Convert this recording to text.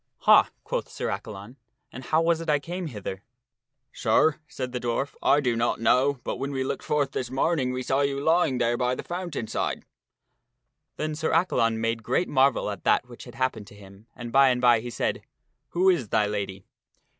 " Ha !" quoth Sir Accalon, " and how was it I came hither? " IQ2 THE STORY OF MERLIN " Sir," said the dwarf, " I do not know, but when we looked forth this morning we saw you lying here by the fountain side." Then Sir Accalon made great marvel at that which had happened to him, and by and by he said, " Who is thy lady?"